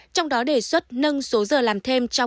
trong đó đề xuất nâng số giờ làm thêm trong một tháng